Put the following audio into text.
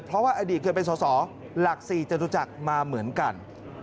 เพราะว่าอดีตเคยเป็นสอสอหลัก๔จตุจักรมาเหมือนกัน